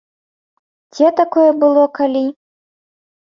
Дзе такое было калі?!